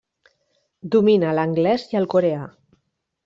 Domina l'anglès i el coreà.